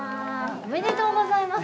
おめでとうございます。